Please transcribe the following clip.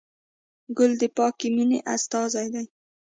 ګل د پاکې مینې استازی دی.